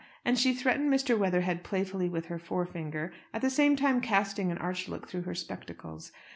And she threatened Mr. Weatherhead playfully with her forefinger, at the same time casting an arch look through her spectacles.